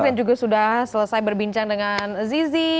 yang juga sudah selesai berbincang dengan zizi